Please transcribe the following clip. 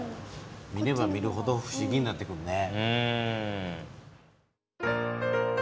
見れば見るほど不思議になってくるね。